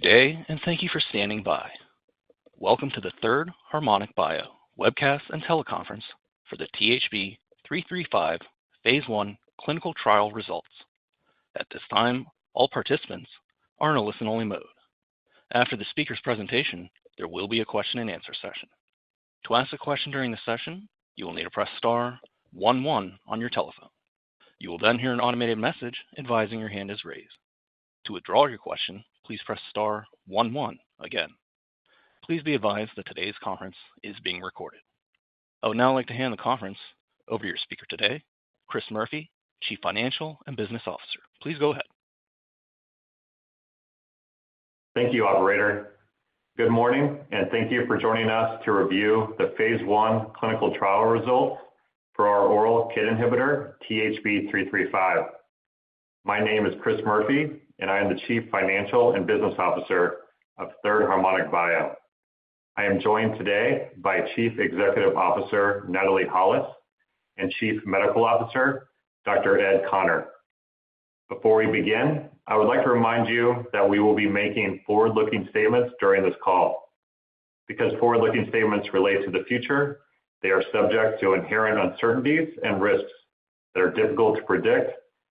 Good day, and thank you for standing by. Welcome to the Third Harmonic Bio webcast and teleconference for the THB 335 phase I clinical trial results. At this time, all participants are in a listen-only mode. After the speaker's presentation, there will be a question-and-answer session. To ask a question during the session, you will need to press star one one on your telephone. You will then hear an automated message advising your hand is raised. To withdraw your question, please press star one one again. Please be advised that today's conference is being recorded. I would now like to hand the conference over to your speaker today, Chris Murphy, Chief Financial and BU.S.iness Officer. Please go ahead. Thank you, Operator. Good morning, and thank you for joining us to review the phase I clinical trial results for our oral KIT inhibitor, THB 335. My name is Chris Murphy, and I am the Chief Financial and Business Officer of Third Harmonic Bio. I am joined today by CEO Natalie Holles and Chief Medical Officer Dr. Ed Conner. Before we begin, I would like to remind you that we will be making forward-looking statements during this call. Because forward-looking statements relate to the future, they are subject to inherent uncertainties and risks that are difficult to predict,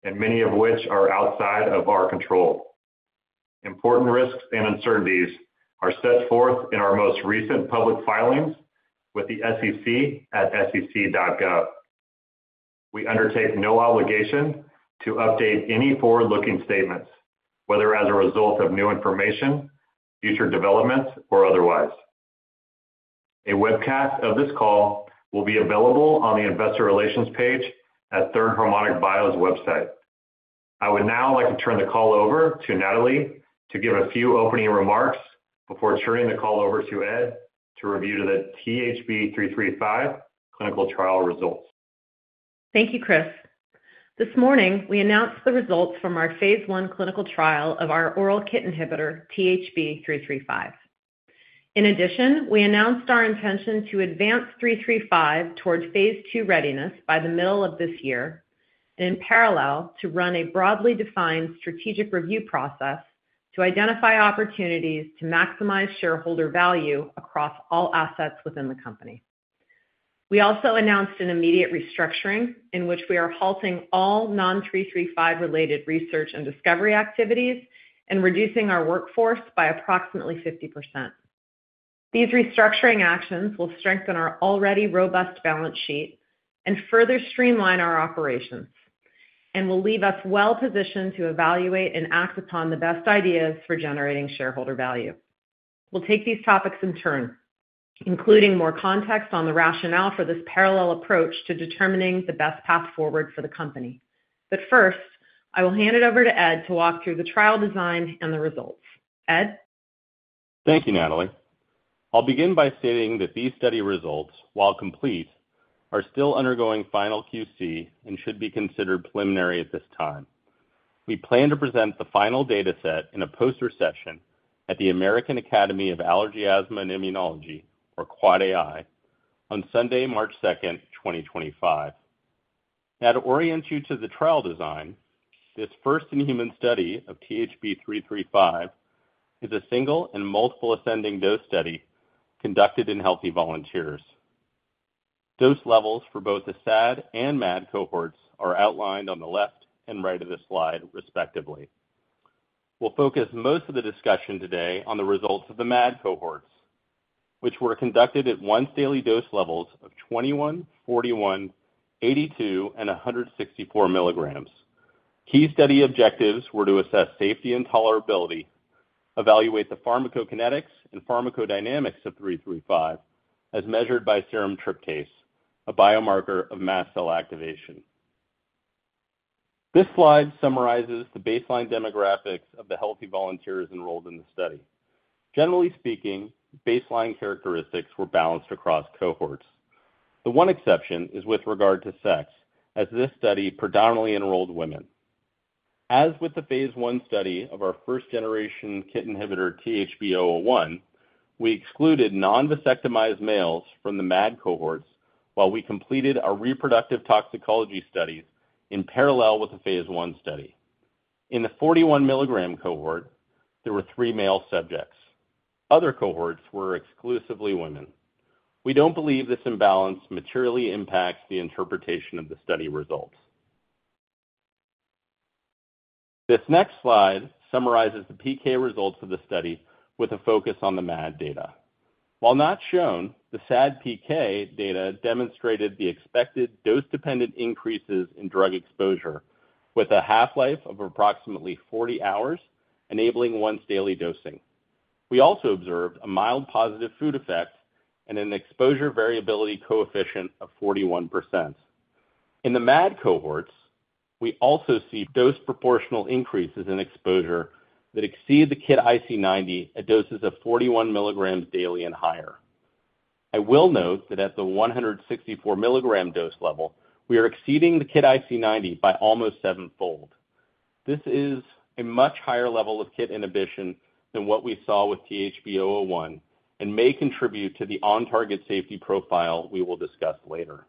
and many of which are outside of our control. Important risks and uncertainties are set forth in our most recent public filings with the SEC at sec.gov. We undertake no obligation to update any forward-looking statements, whether as a result of new information, future developments, or otherwise. A webcast of this call will be available on the Investor Relations page at Third Harmonic Bio's website. I would now like to turn the call over to Natalie to give a few opening remarks before turning the call over to Ed to review the THB 335 clinical trial results. Thank you, Chris. This morning, we announced the results from our phase I clinical trial of our oral KIT inhibitor, THB 335. In addition, we announced our intention to advance 335 toward phase II readiness by the middle of this year and, in parallel, to run a broadly defined strategic review process to identify opportunities to maximize shareholder value across all assets within the company. We also announced an immediate restructuring in which we are halting all non-335-related research and discovery activities and reducing our workforce by approximately 50%. These restructuring actions will strengthen our already robust balance sheet and further streamline our operations, and will leave us well-positioned to evaluate and act upon the best ideas for generating shareholder value. We'll take these topics in turn, including more context on the rationale for this parallel approach to determining the best path forward for the company. First, I will hand it over to Ed to walk through the trial design and the results. Ed? Thank you, Natalie. I'll begin by stating that these study results, while complete, are still undergoing final QC and should be considered preliminary at this time. We plan to present the final data set in a poster session at the American Academy of Allergy, Asthma, and Immunology, or AAAAI, on Sunday, March 2, 2025. Now, to orient you to the trial design, this first inhuman study of THB 335 is a single and multiple ascending dose study conducted in healthy volunteers. Dose levels for both the SAD and MAD cohorts are outlined on the left and right of the slide, respectively. We'll focus most of the discussion today on the results of the MAD cohorts, which were conducted at once-daily dose levels of 21, 41, 82, and 164 mg. Key study objectives were to assess safety and tolerability, evaluate the pharmacokinetics and pharmacodynamics of 335 as measured by serum tryptase, a biomarker of mast cell activation. This slide summarizes the baseline demographics of the healthy volunteers enrolled in the study. Generally speaking, baseline characteristics were balanced across cohorts. The one exception is with regard to sex, as this study predominantly enrolled women. As with the phase I study of our first-generation KIT inhibitor, 001, we excluded non-vasectomized males from the MAD cohorts while we completed our reproductive toxicology studies in parallel with the phase I study. In the 41 mg cohort, there were three male subjects. Other cohorts were exclusively women. We don't believe this imbalance materially impacts the interpretation of the study results. This next slide summarizes the PK results for the study with a focus on the MAD data. While not shown, the SAD PK data demonstrated the expected dose-dependent increases in drug exposure with a half-life of approximately 40 hours, enabling once-daily dosing. We also observed a mild positive food effect and an exposure variability coefficient of 41%. In the MAD cohorts, we also see dose-proportional increases in exposure that exceed the KIT IC90 at doses of 41 mg daily and higher. I will note that at the 164 mg dose level, we are exceeding the KIT IC90 by almost sevenfold. This is a much higher level of KIT inhibition than what we saw with THB 001 and may contribute to the on-target safety profile we will discuss later.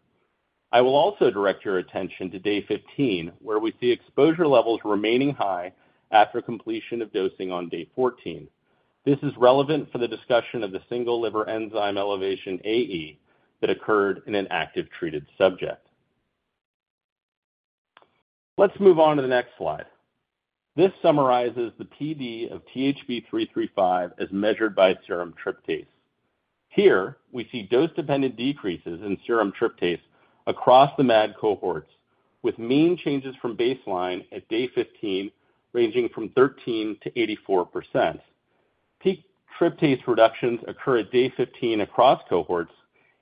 I will also direct your attention to day 15, where we see exposure levels remaining high after completion of dosing on day 14. This is relevant for the discussion of the single liver enzyme elevation AE that occurred in an active treated subject. Let's move on to the next slide. This summarizes the PD of THB 335 as measured by serum tryptase. Here, we see dose-dependent decreases in serum tryptase across the MAD cohorts, with mean changes from baseline at day 15 ranging from 13%-84%. Peak tryptase reductions occur at day 15 across cohorts,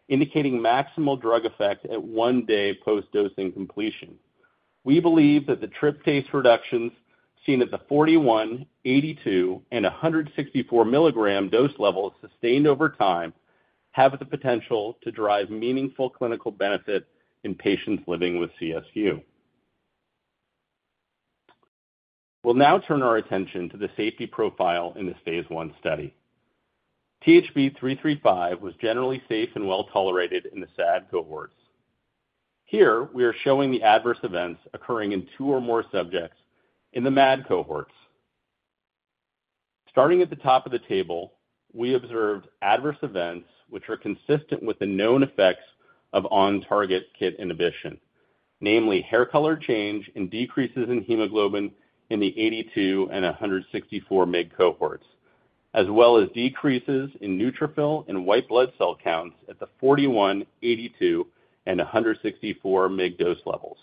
indicating maximal drug effect at one day post-dosing completion. We believe that the tryptase reductions seen at the 41, 82, and 164 mg dose levels sustained over time have the potential to drive meaningful clinical benefit in patients living with CSU. We'll now turn our attention to the safety profile in this phase I study. THB 335 was generally safe and well tolerated in the SAD cohorts. Here, we are showing the adverse events occurring in two or more subjects in the MAD cohorts. Starting at the top of the table, we observed adverse events which are consistent with the known effects of on-target KIT inhibition, namely hair color change and decreases in hemoglobin in the 82 and 164 mg cohorts, as well as decreases in neutrophil and white blood cell counts at the 41, 82, and 164 mg dose levels.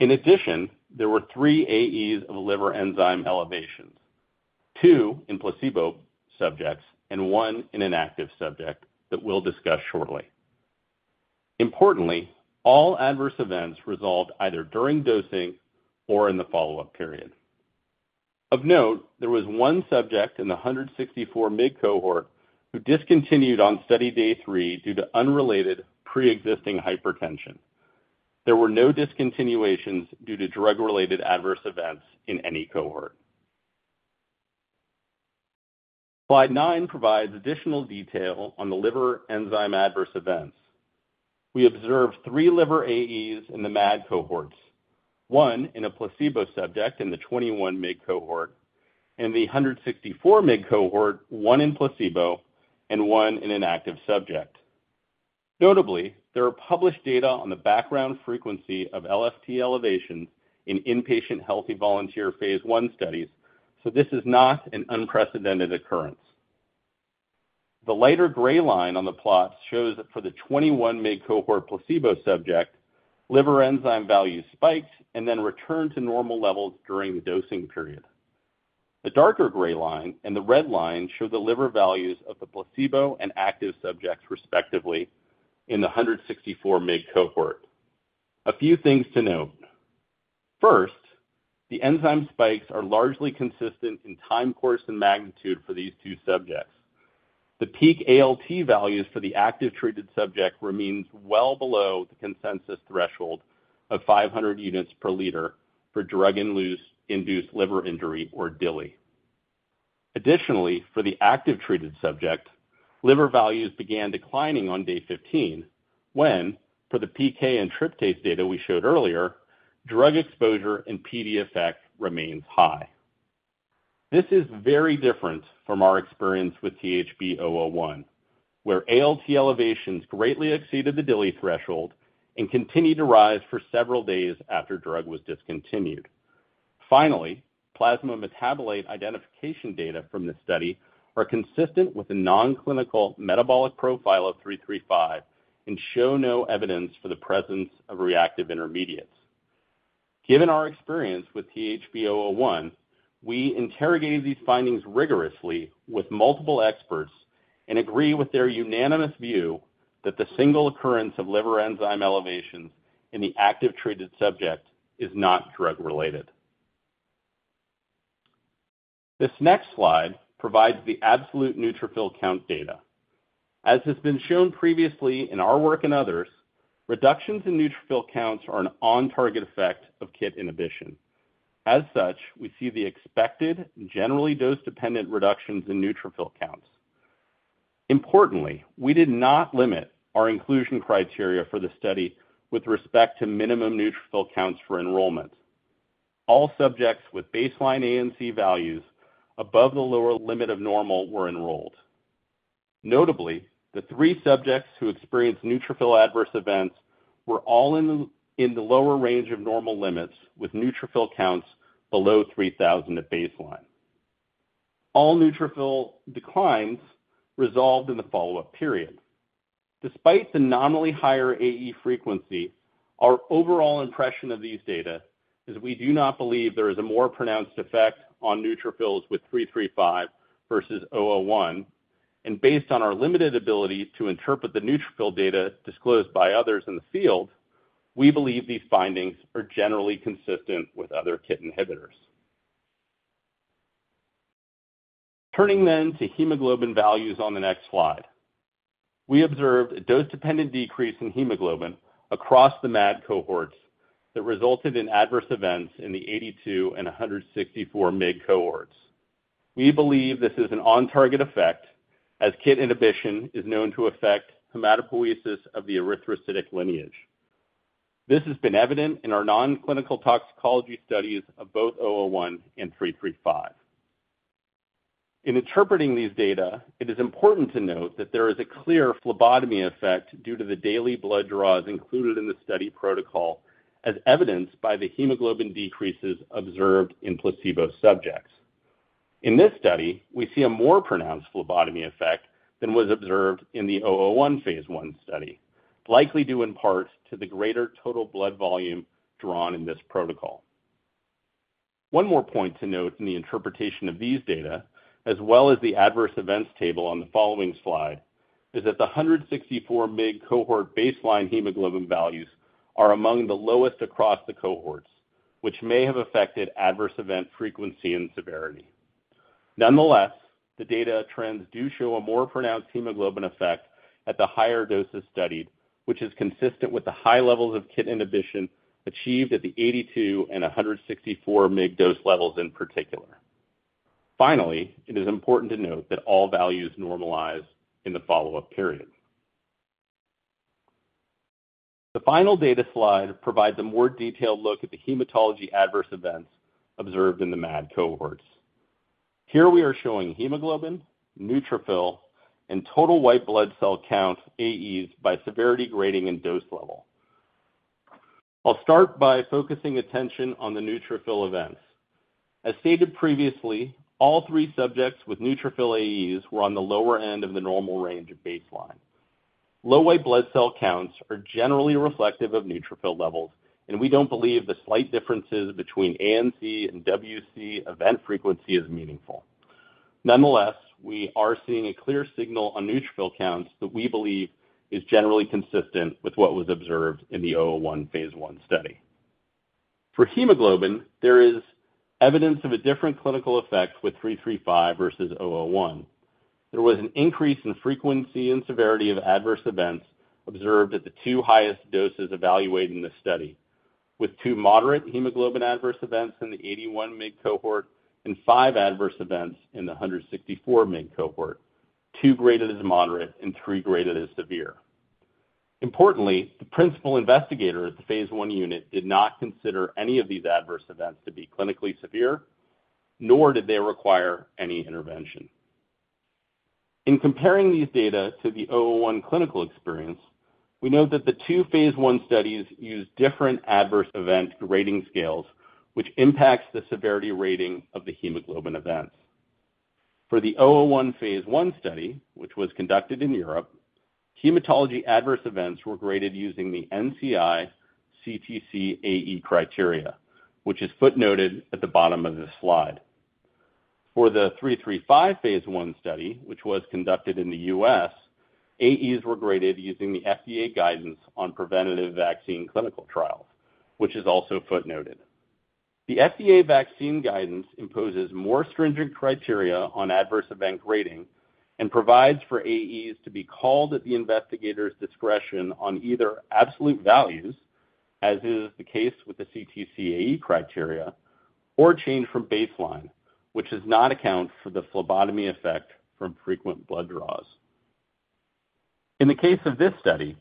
In addition, there were three AEs of liver enzyme elevations, two in placebo subjects and one in an active subject that we'll discuss shortly. Importantly, all adverse events resolved either during dosing or in the follow-up period. Of note, there was one subject in the 164 mg cohort who discontinued on study day three due to unrelated pre-existing hypertension. There were no discontinuations due to drug-related adverse events in any cohort. Slide 9 provides additional detail on the liver enzyme adverse events. We observed three liver AEs in the MAD cohorts, one in a placebo subject in the 21 mg cohort, and the 164 mg cohort, one in placebo and one in an active subject. Notably, there are published data on the background frequency of LFT elevations in inpatient healthy volunteer phase I studies, so this is not an unprecedented occurrence. The lighter gray line on the plot shows that for the 21 mg cohort placebo subject, liver enzyme values spiked and then returned to normal levels during the dosing period. The darker gray line and the red line show the liver values of the placebo and active subjects, respectively, in the 164 mg cohort. A few things to note. First, the enzyme spikes are largely consistent in time course and magnitude for these two subjects. The peak ALT values for the active treated subject remained well below the consensus threshold of 500 units per liter for drug-induced liver injury, or DILI. Additionally, for the active treated subject, liver values began declining on day 15 when, for the PK and tryptase data we showed earlier, drug exposure and PD effect remained high. This is very different from our experience with THB 001, where ALT elevations greatly exceeded the DILI threshold and continued to rise for several days after drug was discontinued. Finally, plasma metabolite identification data from the study are consistent with a non-clinical metabolic profile of 335 and show no evidence for the presence of reactive intermediates. Given our experience with THB 001, we interrogated these findings rigorously with multiple experts and agree with their unanimous view that the single occurrence of liver enzyme elevations in the active treated subject is not drug-related. This next slide provides the absolute neutrophil count data. As has been shown previously in our work and others, reductions in neutrophil counts are an on-target effect of KIT inhibition. As such, we see the expected generally dose-dependent reductions in neutrophil counts. Importantly, we did not limit our inclusion criteria for the study with respect to minimum neutrophil counts for enrollment. All subjects with baseline ANC values above the lower limit of normal were enrolled. Notably, the three subjects who experienced neutrophil adverse events were all in the lower range of normal limits with neutrophil counts below 3,000 at baseline. All neutrophil declines resolved in the follow-up period. Despite the nominally higher AE frequency, our overall impression of these data is we do not believe there is a more pronounced effect on neutrophils with 335 versus 001. Based on our limited ability to interpret the neutrophil data disclosed by others in the field, we believe these findings are generally consistent with other KIT inhibitors. Turning then to hemoglobin values on the next slide, we observed a dose-dependent decrease in hemoglobin across the MAD cohorts that resulted in adverse events in the 82 and 164 mg cohorts. We believe this is an on-target effect as KIT inhibition is known to affect hematopoiesis of the erythrocytic lineage. This has been evident in our non-clinical toxicology studies of both 0001 and 335. In interpreting these data, it is important to note that there is a clear phlebotomy effect due to the daily blood draws included in the study protocol, as evidenced by the hemoglobin decreases observed in placebo subjects. In this study, we see a more pronounced phlebotomy effect than was observed in the 0001 phase I study, likely due in part to the greater total blood volume drawn in this protocol. One more point to note in the interpretation of these data, as well as the adverse events table on the following slide, is that the 164 mg cohort baseline hemoglobin values are among the lowest across the cohorts, which may have affected adverse event frequency and severity. Nonetheless, the data trends do show a more pronounced hemoglobin effect at the higher doses studied, which is consistent with the high levels of KIT inhibition achieved at the 82- and 164 mg dose levels in particular. Finally, it is important to note that all values normalize in the follow-up period. The final data slide provides a more detailed look at the hematology adverse events observed in the MAD cohorts. Here we are showing hemoglobin, neutrophil, and total white blood cell count AEs by severity grading and dose level. I'll start by focusing attention on the neutrophil events. As stated previously, all three subjects with neutrophil AEs were on the lower end of the normal range of baseline. Low white blood cell counts are generally reflective of neutrophil levels, and we don't believe the slight differences between ANC and WBC event frequency is meaningful. Nonetheless, we are seeing a clear signal on neutrophil counts that we believe is generally consistent with what was observed in the 001 phase I study. For hemoglobin, there is evidence of a different clinical effect with 335 versus 001. There was an increase in frequency and severity of adverse events observed at the two highest doses evaluated in this study, with two moderate hemoglobin adverse events in the 81 mg cohort and five adverse events in the 164 mg cohort, two graded as moderate and three graded as severe. Importantly, the principal investigator at the phase I unit did not consider any of these adverse events to be clinically severe, nor did they require any intervention. In comparing these data to the 0001 clinical experience, we note that the two phase I studies used different adverse event grading scales, which impacts the severity rating of the hemoglobin events. For the 0001 phase I study, which was conducted in Europe, hematology adverse events were graded using the NCI CTC AE criteria, which is footnoted at the bottom of this slide. For the 335 phase I study, which was conducted in the U.S., AEs were graded using the FDA guidance on preventative vaccine clinical trials, which is also footnoted. The FDA vaccine guidance imposes more stringent criteria on adverse event grading and provides for AEs to be called at the investigator's discretion on either absolute values, as is the case with the CTC AE criteria, or change from baseline, which does not account for the phlebotomy effect from frequent blood draws. In the case of this study,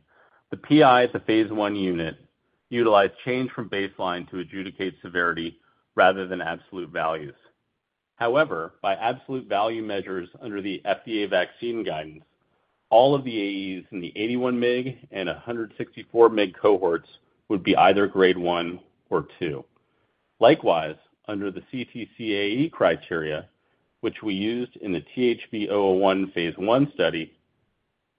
the PI at the phase I unit utilized change from baseline to adjudicate severity rather than absolute values. However, by absolute value measures under the FDA vaccine guidance, all of the AEs in the 81 mg and 164 mg cohorts would be either grade 1 or 2. Likewise, under the CTC AE criteria, which we used in the THB 001 phase I study,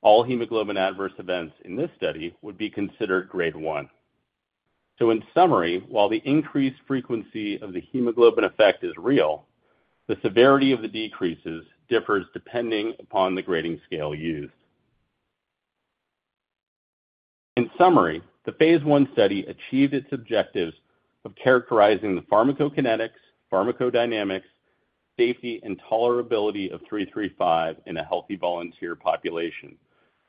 all hemoglobin adverse events in this study would be considered grade 1. In summary, while the increased frequency of the hemoglobin effect is real, the severity of the decreases differs depending upon the grading scale used. In summary, the phase I study achieved its objectives of characterizing the pharmacokinetics, pharmacodynamics, safety, and tolerability of 335 in a healthy volunteer population.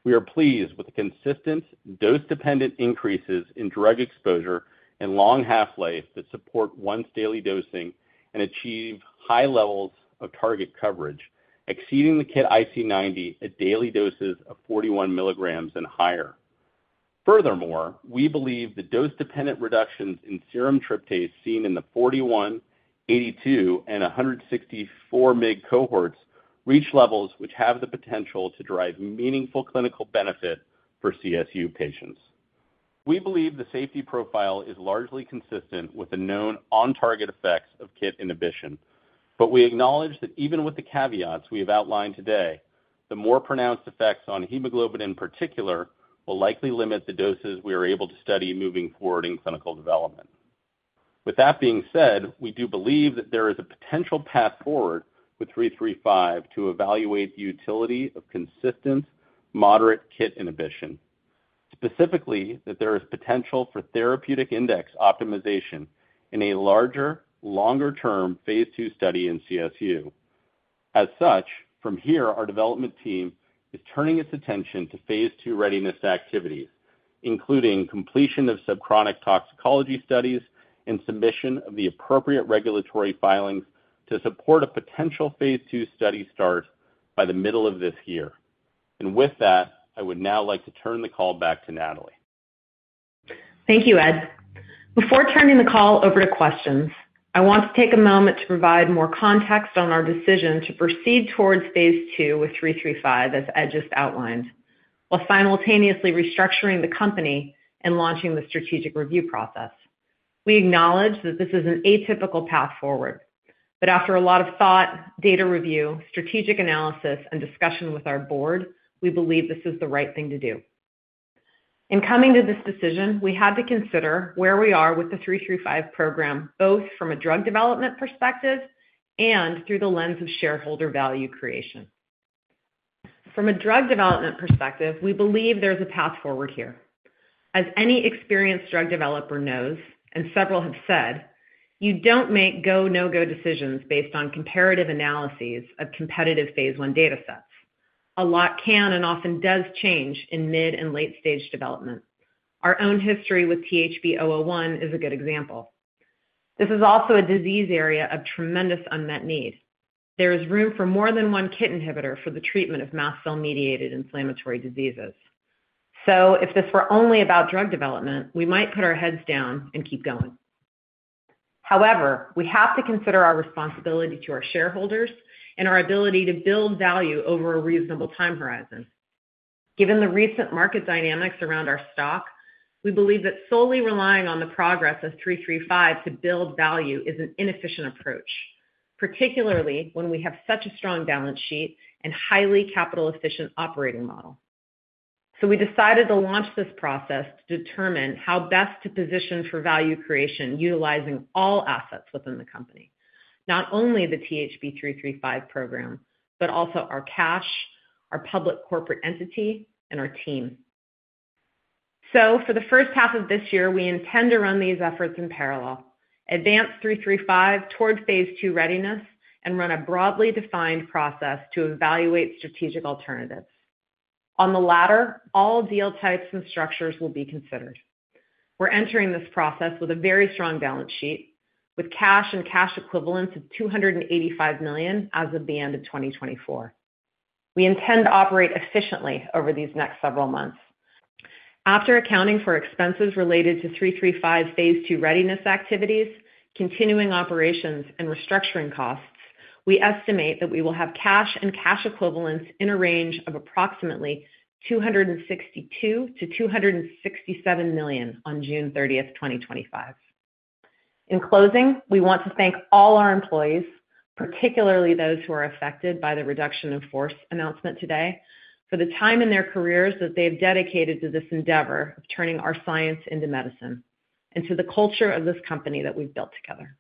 We are pleased with the consistent dose-dependent increases in drug exposure and long half-life that support once-daily dosing and achieve high levels of target coverage, exceeding the KIT IC90 at daily doses of 41 mg and higher. Furthermore, we believe the dose-dependent reductions in serum tryptase seen in the 41, 82, and 164 mg cohorts reach levels which have the potential to drive meaningful clinical benefit for CSU patients. We believe the safety profile is largely consistent with the known on-target effects of KIT inhibition, but we acknowledge that even with the caveats we have outlined today, the more pronounced effects on hemoglobin in particular will likely limit the doses we are able to study moving forward in clinical development. With that being said, we do believe that there is a potential path forward with 335 to evaluate the utility of consistent moderate KIT inhibition, specifically that there is potential for therapeutic index optimization in a larger, longer-term phase II study in CSU. As such, from here, our development team is turning its attention to phase II readiness activities, including completion of subchronic toxicology studies and submission of the appropriate regulatory filings to support a potential phase II study start by the middle of this year. With that, I would now like to turn the call back to Natalie. Thank you, Ed. Before turning the call over to questions, I want to take a moment to provide more context on our decision to proceed towards phase II with 335, as Ed just outlined, while simultaneously restructuring the company and launching the strategic review process. We acknowledge that this is an atypical path forward, but after a lot of thought, data review, strategic analysis, and discussion with our board, we believe this is the right thing to do. In coming to this decision, we had to consider where we are with the 335 program, both from a drug development perspective and through the lens of shareholder value creation. From a drug development perspective, we believe there is a path forward here. As any experienced drug developer knows, and several have said, you don't make go-no-go decisions based on comparative analyses of competitive phase I data sets. A lot can and often does change in mid and late-stage development. Our own history with THB 001 is a good example. This is also a disease area of tremendous unmet need. There is room for more than one KIT inhibitor for the treatment of mast cell-mediated inflammatory diseases. If this were only about drug development, we might put our heads down and keep going. However, we have to consider our responsibility to our shareholders and our ability to build value over a reasonable time horizon. Given the recent market dynamics around our stock, we believe that solely relying on the progress of 335 to build value is an inefficient approach, particularly when we have such a strong balance sheet and highly capital-efficient operating model. We decided to launch this process to determine how best to position for value creation utilizing all assets within the company, not only the THB 335 program, but also our cash, our public corporate entity, and our team. For the first half of this year, we intend to run these efforts in parallel, advance 335 toward phase II readiness, and run a broadly defined process to evaluate strategic alternatives. On the latter, all deal types and structures will be considered. We are entering this process with a very strong balance sheet, with cash and cash equivalents of $285 million as of the end of 2024. We intend to operate efficiently over these next several months. After accounting for expenses related to 335 phase II readiness activities, continuing operations, and restructuring costs, we estimate that we will have cash and cash equivalents in a range of approximately $262-$267 million on June 30, 2025. In closing, we want to thank all our employees, particularly those who are affected by the reduction in force announcement today, for the time in their careers that they have dedicated to this endeavor of turning our science into medicine and to the culture of this company that we've built together.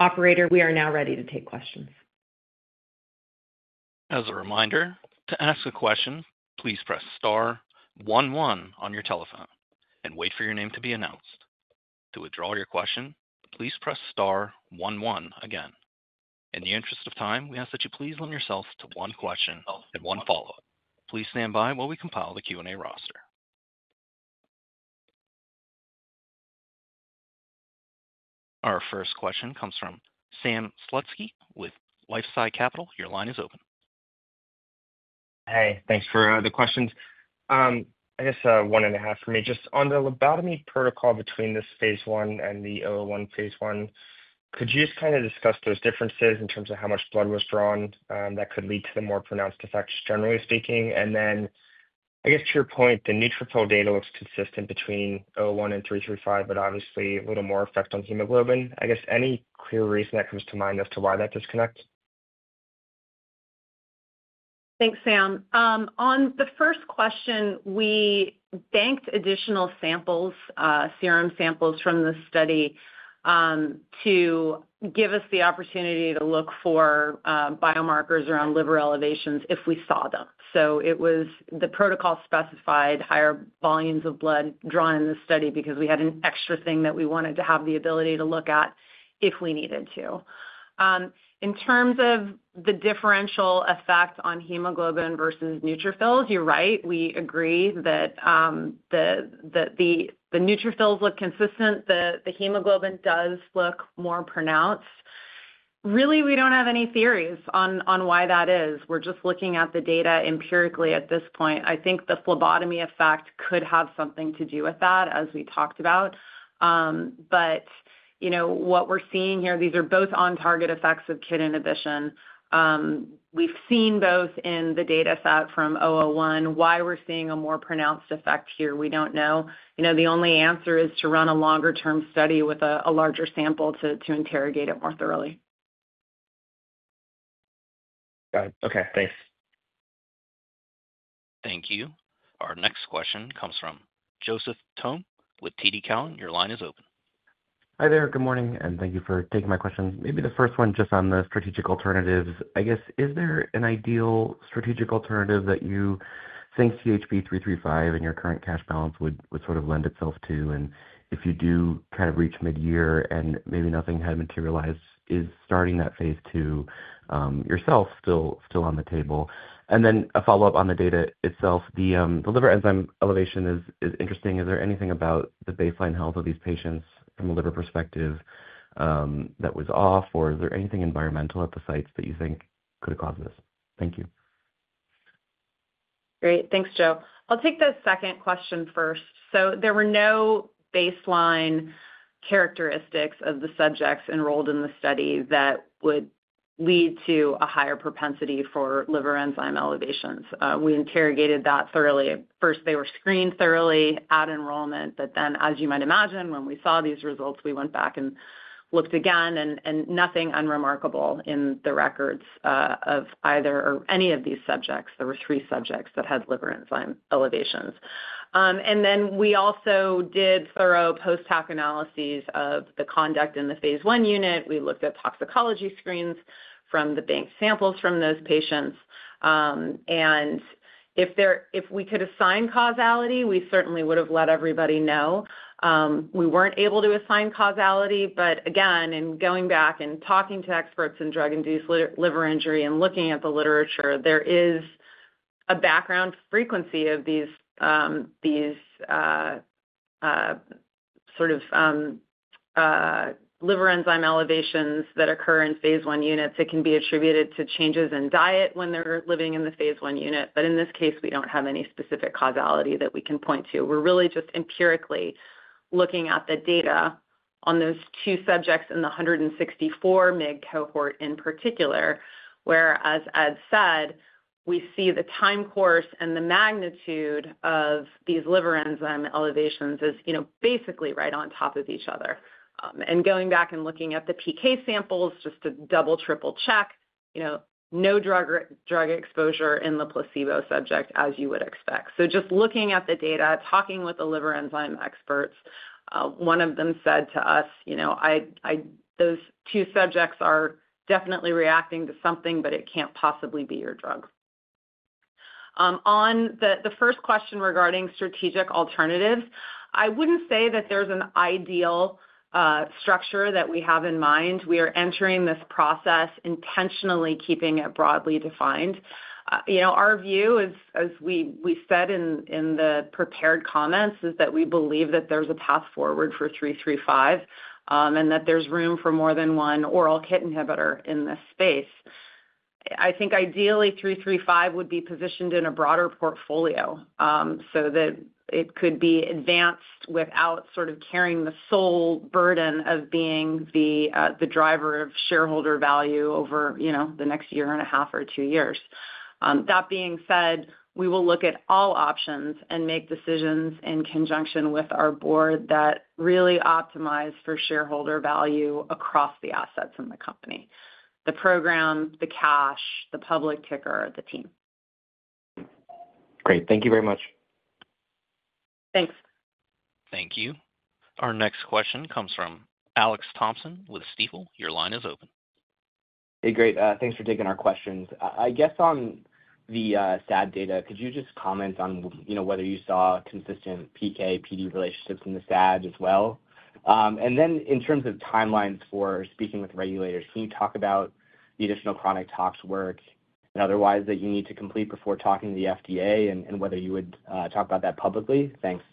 Operator, we are now ready to take questions. As a reminder, to ask a question, please press star one one on your telephone and wait for your name to be announced. To withdraw your question, please press star one one again. In the interest of time, we ask that you please limit yourself to one question and one follow-up. Please stand by while we compile the Q&A roster. Our first question comes from Sam Slutsky with LifeSci Capital. Your line is open. Hey, thanks for the questions. I guess one and a half for me. Just on the phlebotomy protocol between this phase I and the 001 phase I, could you just kind of discuss those differences in terms of how much blood was drawn that could lead to the more pronounced effects, generally speaking? I guess to your point, the neutrophil data looks consistent between 001 and 335, but obviously a little more effect on hemoglobin. I guess any clear reason that comes to mind as to why that disconnect? Thanks, Sam. On the first question, we banked additional samples, serum samples from the study, to give us the opportunity to look for biomarkers around liver elevations if we saw them. It was the protocol specified higher volumes of blood drawn in the study because we had an extra thing that we wanted to have the ability to look at if we needed to. In terms of the differential effect on hemoglobin versus neutrophils, you're right. We agree that the neutrophils look consistent. The hemoglobin does look more pronounced. Really, we don't have any theories on why that is. We're just looking at the data empirically at this point. I think the phlebotomy effect could have something to do with that, as we talked about. What we're seeing here, these are both on-target effects of KIT inhibition. We've seen both in the data set from 001. Why we're seeing a more pronounced effect here, we don't know. The only answer is to run a longer-term study with a larger sample to interrogate it more thoroughly. Got it. Okay. Thanks. Thank you. Our next question comes from Joseph Thome with TD Cowen. Your line is open. Hi there. Good morning, and thank you for taking my questions. Maybe the first one just on the strategic alternatives. I guess, is there an ideal strategic alternative that you think 335 and your current cash balance would sort of lend itself to? If you do kind of reach mid-year and maybe nothing had materialized, is starting that phase II yourself still on the table? A follow-up on the data itself. The liver enzyme elevation is interesting. Is there anything about the baseline health of these patients from a liver perspective that was off, or is there anything environmental at the sites that you think could have caused this? Thank you. Great. Thanks, Joe. I'll take the second question first. There were no baseline characteristics of the subjects enrolled in the study that would lead to a higher propensity for liver enzyme elevations. We interrogated that thoroughly. First, they were screened thoroughly at enrollment, but then, as you might imagine, when we saw these results, we went back and looked again, and nothing unremarkable in the records of either or any of these subjects. There were three subjects that had liver enzyme elevations. We also did thorough post-hoc analyses of the conduct in the phase I unit. We looked at toxicology screens from the bank samples from those patients. If we could assign causality, we certainly would have let everybody know. We were not able to assign causality. Again, in going back and talking to experts in drug-induced liver injury and looking at the literature, there is a background frequency of these sort of liver enzyme elevations that occur in phase I units. It can be attributed to changes in diet when they're living in the phase I unit, but in this case, we don't have any specific causality that we can point to. We're really just empirically looking at the data on those two subjects in the 164 mg cohort in particular, where, as Ed said, we see the time course and the magnitude of these liver enzyme elevations is basically right on top of each other. Going back and looking at the PK samples just to double-triple-check, no drug exposure in the placebo subject, as you would expect. Just looking at the data, talking with the liver enzyme experts, one of them said to us, "Those two subjects are definitely reacting to something, but it can't possibly be your drug." On the first question regarding strategic alternatives, I wouldn't say that there's an ideal structure that we have in mind. We are entering this process intentionally keeping it broadly defined. Our view, as we said in the prepared comments, is that we believe that there's a path forward for 335 and that there's room for more than one oral KIT inhibitor in this space. I think ideally, 335 would be positioned in a broader portfolio so that it could be advanced without sort of carrying the sole burden of being the driver of shareholder value over the next year and a half or two years. That being said, we will look at all options and make decisions in conjunction with our board that really optimize for shareholder value across the assets in the company: the program, the cash, the public ticker, the team. Great. Thank you very much. Thanks. Thank you. Our next question comes from Alex Thompson with Stifel. Your line is open. Hey, great. Thanks for taking our questions. I guess on the SAD data, could you just comment on whether you saw consistent PKPD relationships in the SAD as well? In terms of timelines for speaking with regulators, can you talk about the additional chronic tox work and otherwise that you need to complete before talking to the FDA and whether you would talk about that publicly? Thanks.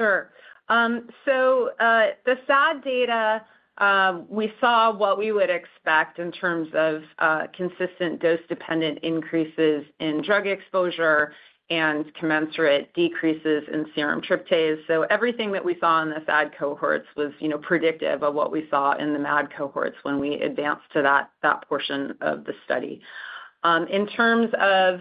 Sure. The SAD data, we saw what we would expect in terms of consistent dose-dependent increases in drug exposure and commensurate decreases in serum tryptase. Everything that we saw in the SAD cohorts was predictive of what we saw in the MAD cohorts when we advanced to that portion of the study. In terms of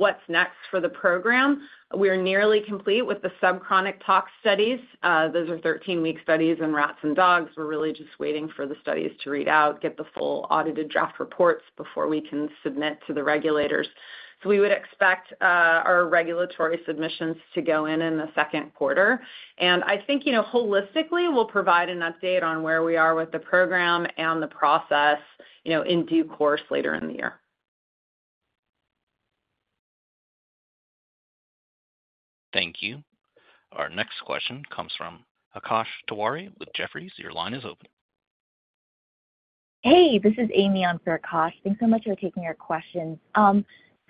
what's next for the program, we are nearly complete with the subchronic tox studies. Those are 13-week studies in rats and dogs. We're really just waiting for the studies to read out, get the full audited draft reports before we can submit to the regulators. We would expect our regulatory submissions to go in in the second quarter. I think holistically, we'll provide an update on where we are with the program and the process in due course later in the year. Thank you. Our next question comes from Akash Tawari with Jefferies. Your line is open. Hey, this is Amy on for Akash. Thanks so much for taking our questions.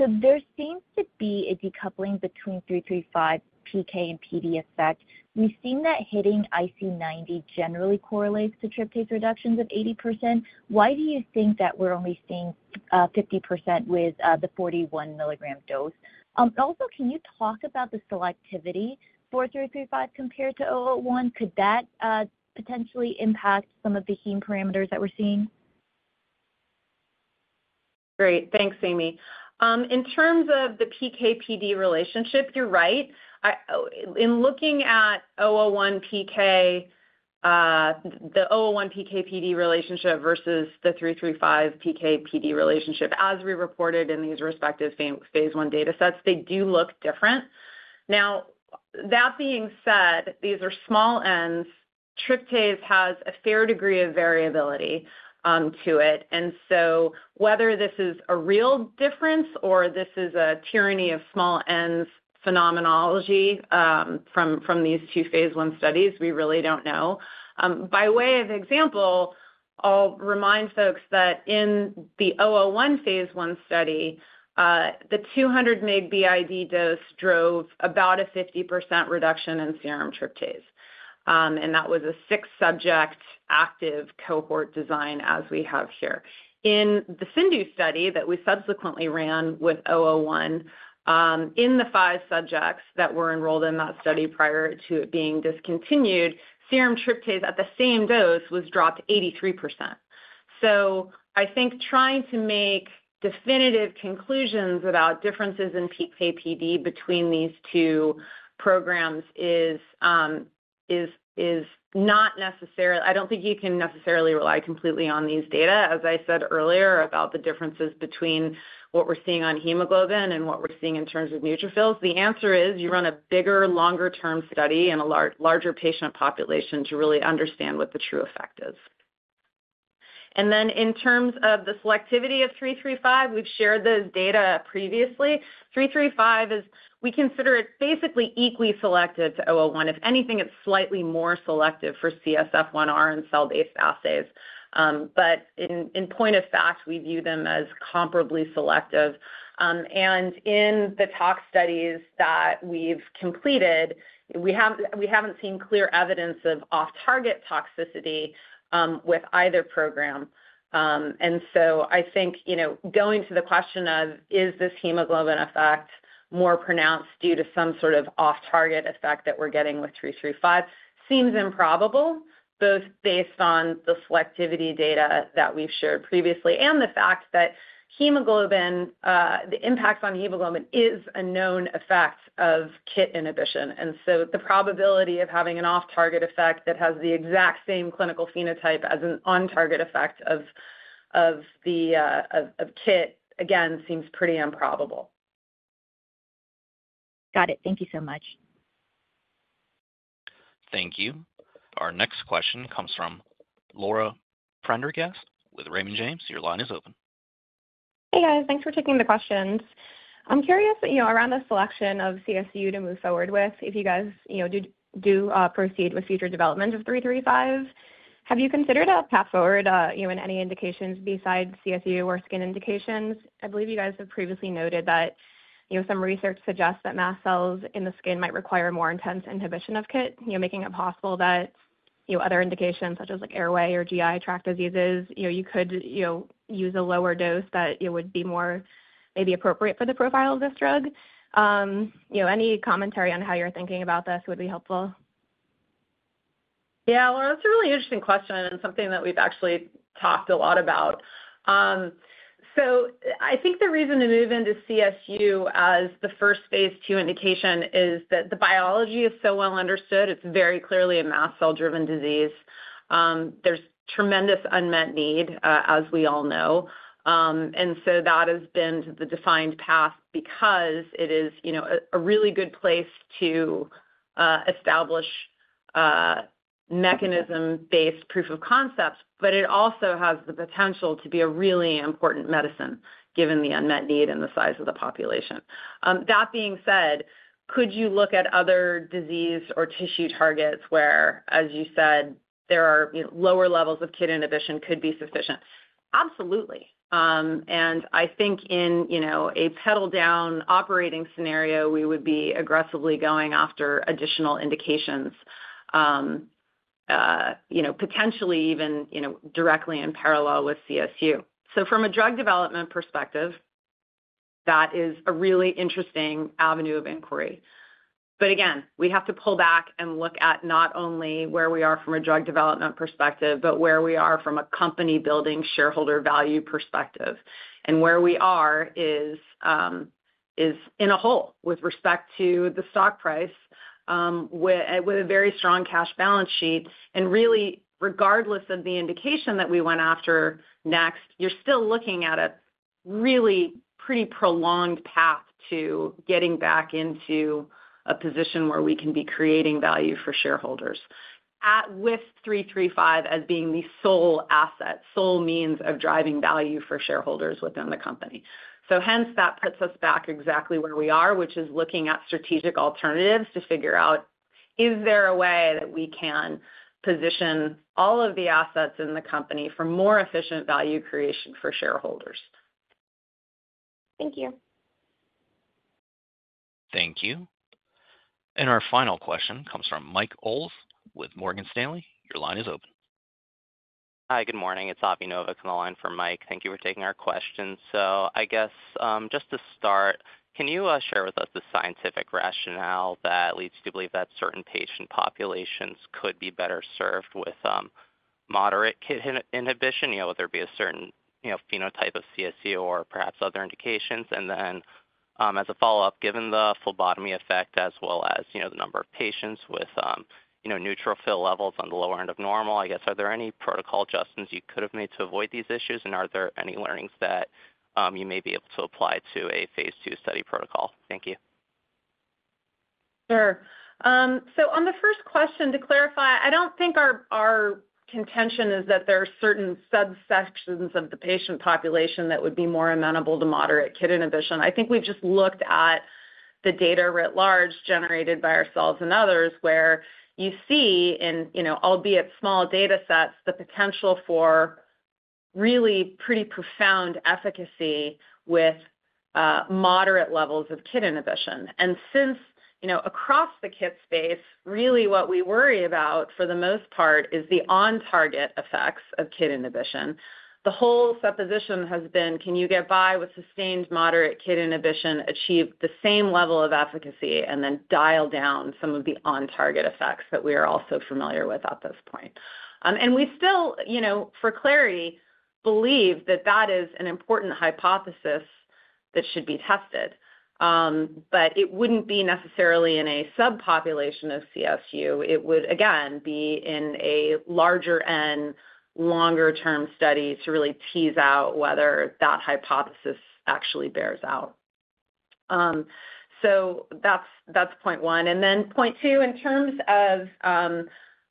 There seems to be a decoupling between 335 PK and PD effect. We've seen that hitting IC90 generally correlates to tryptase reductions of 80%. Why do you think that we're only seeing 50% with the 41 mg dose? Also, can you talk about the selectivity for 335 compared to 001? Could that potentially impact some of the heme parameters that we're seeing? Great. Thanks, Amy. In terms of the PKPD relationship, you're right. In looking at the 001 PKPD relationship versus the 335 PKPD relationship, as we reported in these respective phase I data sets, they do look different. That being said, these are small ends. Tryptase has a fair degree of variability to it. Whether this is a real difference or this is a tyranny of small n's phenomenology from these two phase I studies, we really don't know. By way of example, I'll remind folks that in the 001 phase I study, the 200 mg BID dose drove about a 50% reduction in serum tryptase. That was a six-subject active cohort design as we have here. In the Sindhu study that we subsequently ran with 001, in the five subjects that were enrolled in that study prior to it being discontinued, serum tryptase at the same dose was dropped 83%. I think trying to make definitive conclusions about differences in PKPD between these two programs is not necessarily—I don't think you can necessarily rely completely on these data. As I said earlier about the differences between what we're seeing on hemoglobin and what we're seeing in terms of neutrophils, the answer is you run a bigger, longer-term study in a larger patient population to really understand what the true effect is. In terms of the selectivity of 335, we've shared those data previously. 335 is—we consider it basically equally selective to 001. If anything, it's slightly more selective for CSF1R in cell-based assays. In point of fact, we view them as comparably selective. In the tox studies that we've completed, we haven't seen clear evidence of off-target toxicity with either program. I think going to the question of, is this hemoglobin effect more pronounced due to some sort of off-target effect that we're getting with 335, seems improbable, both based on the selectivity data that we've shared previously and the fact that the impact on hemoglobin is a known effect of KIT inhibition. The probability of having an off-target effect that has the exact same clinical phenotype as an on-target effect of KIT, again, seems pretty improbable. Got it. Thank you so much. Thank you. Our next question comes from Laura Prendergast with Raymond James. Your line is open. Hey, guys. Thanks for taking the questions. I'm curious around the selection of CSU to move forward with if you guys do proceed with future development of 335. Have you considered a path forward in any indications besides CSU or skin indications? I believe you guys have previously noted that some research suggests that mast cells in the skin might require more intense inhibition of KIT, making it possible that other indications such as airway or GI tract diseases, you could use a lower dose that would be more maybe appropriate for the profile of this drug. Any commentary on how you're thinking about this would be helpful? Yeah. That is a really interesting question and something that we've actually talked a lot about. I think the reason to move into CSU as the first phase II indication is that the biology is so well understood. It is very clearly a mast cell-driven disease. There is tremendous unmet need, as we all know. That has been the defined path because it is a really good place to establish mechanism-based proof of concept, but it also has the potential to be a really important medicine given the unmet need and the size of the population. That being said, could you look at other disease or tissue targets where, as you said, there are lower levels of KIT inhibition could be sufficient? Absolutely. I think in a pedal-down operating scenario, we would be aggressively going after additional indications, potentially even directly in parallel with CSU. From a drug development perspective, that is a really interesting avenue of inquiry. Again, we have to pull back and look at not only where we are from a drug development perspective, but where we are from a company-building shareholder value perspective. Where we are is in a hole with respect to the stock price with a very strong cash balance sheet. Really, regardless of the indication that we went after next, you're still looking at a really pretty prolonged path to getting back into a position where we can be creating value for shareholders with 335 as being the sole asset, sole means of driving value for shareholders within the company. That puts us back exactly where we are, which is looking at strategic alternatives to figure out, is there a way that we can position all of the assets in the company for more efficient value creation for shareholders? Thank you. Thank you. Our final question comes from Mike Ols with Morgan Stanley. Your line is open. Hi, good morning. It's Avi Novak on the line for Mike. Thank you for taking our questions. I guess just to start, can you share with us the scientific rationale that leads you to believe that certain patient populations could be better served with moderate KIT inhibition, whether it be a certain phenotype of CSU or perhaps other indications? As a follow-up, given the phlebotomy effect as well as the number of patients with neutrophil levels on the lower end of normal, I guess, are there any protocol adjustments you could have made to avoid these issues? Are there any learnings that you may be able to apply to a phase II study protocol? Thank you. Sure. On the first question, to clarify, I do not think our contention is that there are certain subsections of the patient population that would be more amenable to moderate KIT inhibition. I think we've just looked at the data writ large generated by ourselves and others where you see, in albeit small data sets, the potential for really pretty profound efficacy with moderate levels of KIT inhibition. Since across the KIT space, really what we worry about for the most part is the on-target effects of KIT inhibition. The whole supposition has been, can you get by with sustained moderate KIT inhibition, achieve the same level of efficacy, and then dial down some of the on-target effects that we are also familiar with at this point? We still, for clarity, believe that that is an important hypothesis that should be tested. It would not be necessarily in a subpopulation of CSU. It would, again, be in a larger-end, longer-term study to really tease out whether that hypothesis actually bears out. That is point one. Point two, in terms of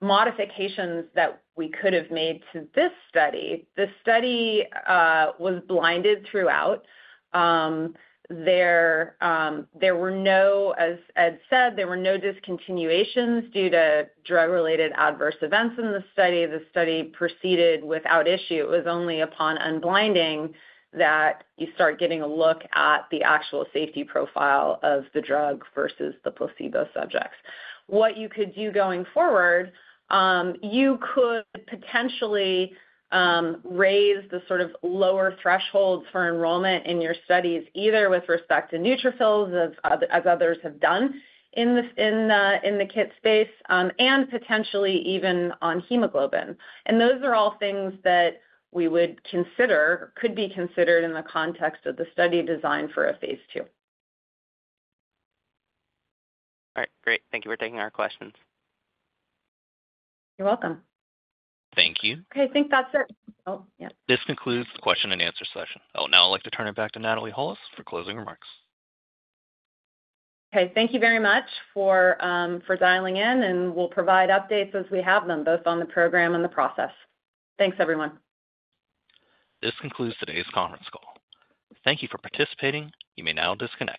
modifications that we could have made to this study, the study was blinded throughout. There were no, as Ed said, there were no discontinuations due to drug-related adverse events in the study. The study proceeded without issue. It was only upon unblinding that you start getting a look at the actual safety profile of the drug versus the placebo subjects. What you could do going forward, you could potentially raise the sort of lower thresholds for enrollment in your studies, either with respect to neutrophils, as others have done in the KIT space, and potentially even on hemoglobin. Those are all things that we would consider, could be considered in the context of the study designed for a phase II. All right. Great. Thank you for taking our questions. You're welcome. Thank you. Okay. I think that's it. Oh, yeah. This concludes the question and answer session. Now I'd like to turn it back to Natalie Holles for closing remarks. Okay. Thank you very much for dialing in. We will provide updates as we have them, both on the program and the process. Thanks, everyone. This concludes today's conference call. Thank you for participating. You may now disconnect.